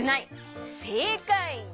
せいかい！